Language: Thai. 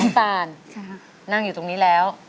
ตานนั่งอยู่ตรงนี้แล้ว